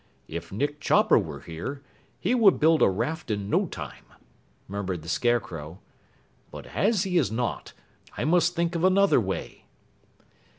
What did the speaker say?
"If Nick Chopper were here, he would build a raft in no time," murmured the Scarecrow, "but as he is not, I must think of another way!"